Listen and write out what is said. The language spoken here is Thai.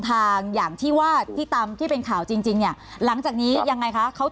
หลังกันทีว่าที่ตามที่เป็นข่าวกันจริงหลังจากนี้ยังไงคะ